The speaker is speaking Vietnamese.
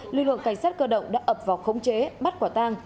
lực lượng cảnh sát cơ động đã ập vào khống chế bắt quả tang